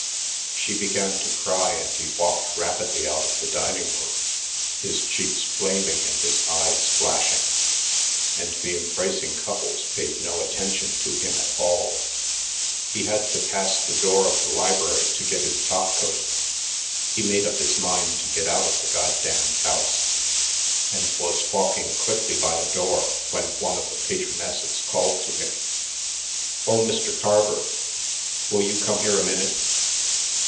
She began to cry, and he walked rapidly out of the dining room, his cheeks flaming and his eyes flashing; and the embracing couples paid no attention to him at all. He had to pass the door of the library to get his top coat he made up his mind to get out of the "goddamned house" and was walking quickly by the door when one of the patronesses called to him. "Oh, Mr. Carver. Will you come here a minute?"